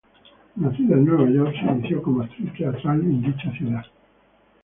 Nacida en Nueva York, se inició como actriz teatral en dicha ciudad.